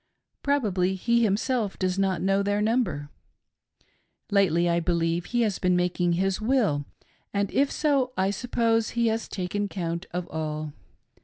Probably he himself does not know their number. Lately, I believe, he has been making his will, and, if so, I suppose he has "taken count of all."